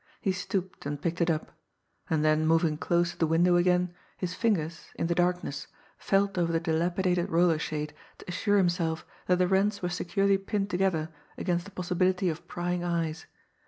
He stooped and picked it up and then moving close to the window again, his fingers, in the darkness, felt over the dilapidated roller shade to assure himself that the rents were securely pinned together against the possibility of prying eyes.